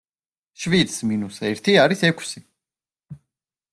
შვიდს მინუს ერთი არის ექვსი.